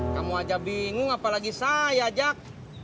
kamu aja bingung apalagi saya ajak